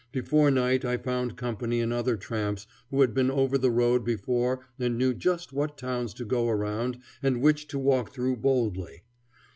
Before night I found company in other tramps who had been over the road before and knew just what towns to go around and which to walk through boldly.